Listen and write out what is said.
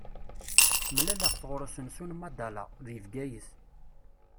Mlaleɣ-t ɣur usensu n Madala, deg Bgayet.